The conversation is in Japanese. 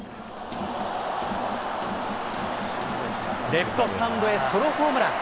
レフトスタンドへソロホームラン。